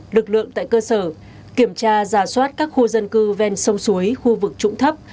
lực lượng tại cơ sở kiểm tra giả soát các khu dân cư ven sông suối khu vực trụng thấp